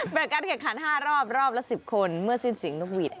เปิดการแข่งขัน๕รอบรอบละ๑๐คนเมื่อสิ้นเสียงนกหวีด